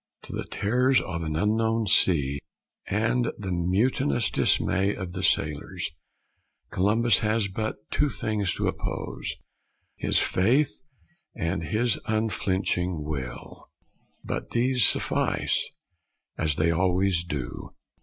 To the terrors of an unknown sea and the mutinous dismay of the sailors Columbus has but two things to oppose his faith and his unflinching will. But these suffice, as they always do.